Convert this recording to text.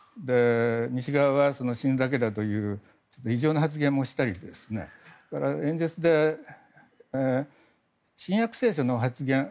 西側は死ぬだけだという発言をしたり演説で新約聖書の発言